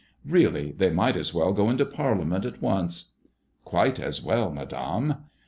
Really they might as well go into Parliament at once." '' Quite as well, Madame."